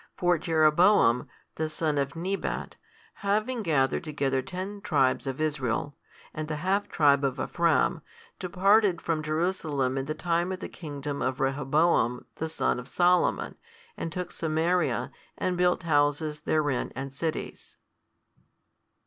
For Jeroboam, the son of Nebat, having gathered together ten tribes of Israel, and the half tribe of Ephraim, departed from Jerusalem in the time of the kingdom of Rehoboam the son of Solomon, and took Samaria, and built houses therein and cities.